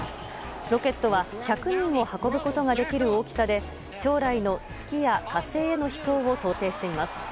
ロケットは、１００人を運ぶことができる大きさで将来の月や火星への飛行を想定しています。